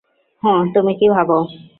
হুম, তুমি কী ভাবো?